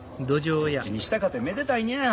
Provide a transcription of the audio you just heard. どっちにしたかてめでたいねや。